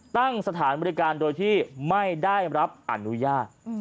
ตั้งสถานบริการโดยที่ไม่ได้รับอนุญาต